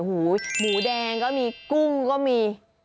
หมูแดงก็มีกุ้งก็มี